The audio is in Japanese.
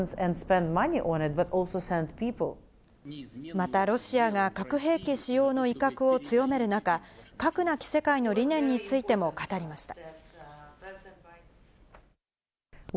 またロシアが、核兵器使用の威嚇を強める中、核なき世界の理念についても語りました。